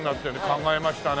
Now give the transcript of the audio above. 考えましたね。